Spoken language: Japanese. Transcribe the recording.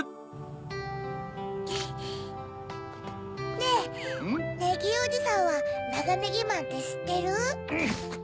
ねぇネギーおじさんはナガネギマンってしってる？